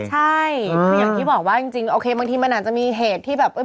ใช่คืออย่างที่บอกว่าจริงโอเคบางทีมันอาจจะมีเหตุที่แบบ